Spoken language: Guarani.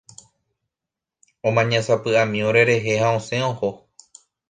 Omañasapyʼami orerehe ha osẽ oho.